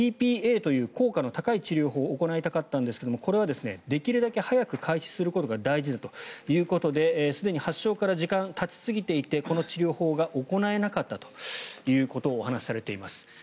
ｔ−ＰＡという効果の高い治療法を行いたかったんですがこれはできるだけ早く開始することが大事だということですでに発症から時間がたちすぎていてこの治療法が行えなかったということをお話されています。